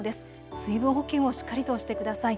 水分補給をしっかりとしてください。